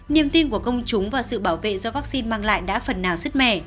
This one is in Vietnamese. niềm tin của công chúng và sự bảo vệ do vaccine mang lại đã phần nào xứt mẻ